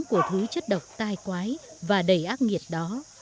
của thứ chất độc tai quái và đầy ác nghiệt đó